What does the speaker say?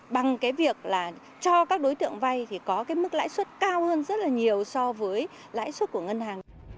bằng cái việc là cho các đối tượng vay thì có cái mức lãi suất cao hơn rất là nhiều so với lãi suất của ngân hàng